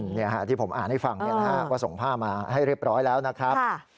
ที่ผมอ่านให้ฟังว่าส่งผ้ามาให้เรียบร้อยแล้วนะครับ